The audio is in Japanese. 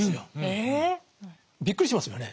え⁉びっくりしますよね。